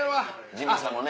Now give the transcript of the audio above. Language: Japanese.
ジミーさんもね